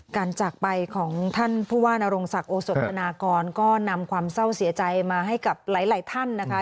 จากไปของท่านผู้ว่านรงศักดิ์โอสธนากรก็นำความเศร้าเสียใจมาให้กับหลายท่านนะคะ